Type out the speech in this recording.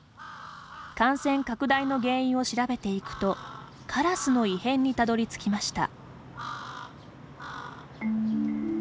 感染拡大の原因を調べていくとカラスの異変にたどり着きました。